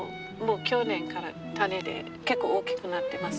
去年から種で結構大きくなってます。